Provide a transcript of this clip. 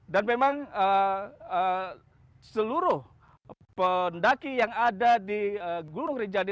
dan memang seluruh pendaki yang ada di gunung rinjani